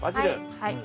はい。